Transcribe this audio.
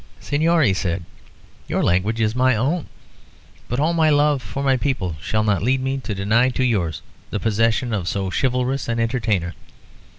"Señor," he said, "your language is my own; but all my love for my people shall not lead me to deny to yours the possession of so chivalrous an entertainer.